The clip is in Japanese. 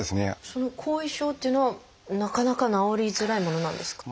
その後遺症っていうのはなかなか治りづらいものなんですか？